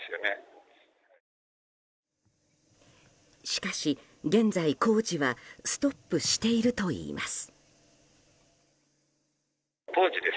しかし現在、工事はストップしているといいます。